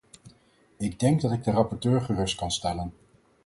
Ik denk dat ik de rapporteur gerust kan stellen.